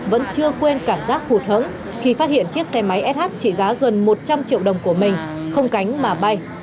vẫn chưa quên cảm giác hụt hẫng khi phát hiện chiếc xe máy sh trị giá gần một trăm linh triệu đồng của mình không cánh mà bay